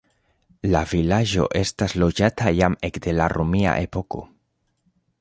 La vilaĝo estas loĝata jam ekde la romia epoko.